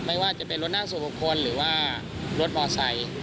ไม่ว่าจะเป็นรถนั่งส่วนบุคคลหรือว่ารถมอไซค์